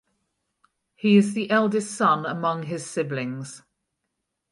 He is the eldest son among his siblings.